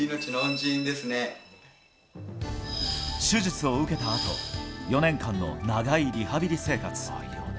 手術を受けたあと４年間の長いリハビリ生活。